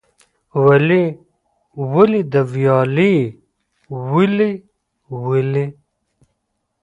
ولي ولې د ویالې ولې ولې؟